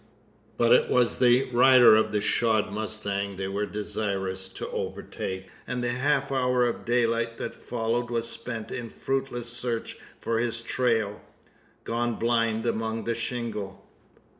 But it was the rider of the shod mustang they were desirous to overtake; and the half hour of daylight that followed was spent in fruitless search for his trail gone blind among the shingle.